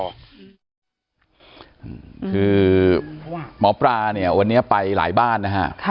คือหมอปลาเนี่ยวันนี้ไปหลายบ้านนะฮะ